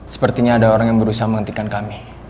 sepertinya ada orang yang berusaha menghentikan kami